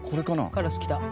カラス来た。